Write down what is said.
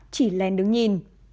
chỉ len đứng nhìn